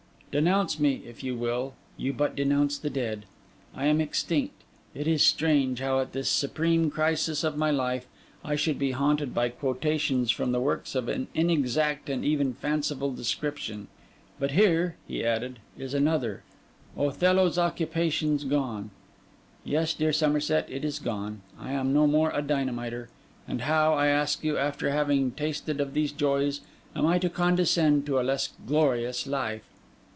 Denounce me, if you will; you but denounce the dead. I am extinct. It is strange how, at this supreme crisis of my life, I should be haunted by quotations from works of an inexact and even fanciful description; but here,' he added, 'is another: "Othello's occupation's gone." Yes, dear Somerset, it is gone; I am no more a dynamiter; and how, I ask you, after having tasted of these joys, am I to condescend to a less glorious life?